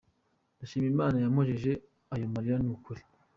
Ndashima Imana yampojeje ayo marira ni ukuru.